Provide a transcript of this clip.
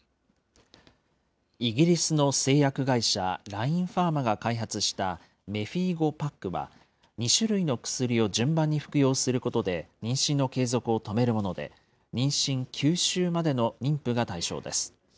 イギリスの製薬会社、ラインファーマが開発したメフィーゴパックは、２種類の薬を順番に服用することで妊娠の継続を止めるもので、妊娠９週までの妊婦が対象です。